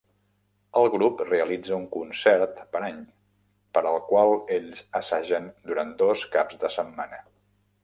El grup realitza un concert per any, per al qual ells assagen durant dos caps de setmana.